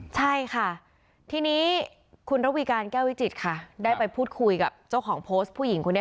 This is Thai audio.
ใช่ค่ะทีนี้คุณระวีการแก้ววิจิตรค่ะได้ไปพูดคุยกับเจ้าของโพสต์ผู้หญิงคนนี้